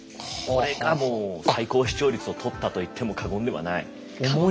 これがもう最高視聴率を取ったと言っても過言ではない。